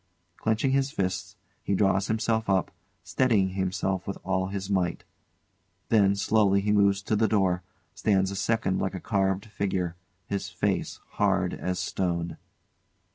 [Clenching his fists, he draws himself up, steadying himself with all his might. Then slowly he moves to the door, stands a second like a carved figure, his face hard as stone.